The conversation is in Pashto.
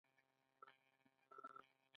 د افغان نېشنلېزم پخوا سپک نوم و.